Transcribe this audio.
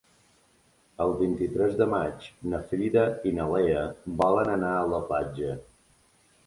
El vint-i-tres de maig na Frida i na Lea volen anar a la platja.